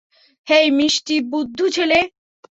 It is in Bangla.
হেই, মিষ্টি বুদ্ধু ছেলে।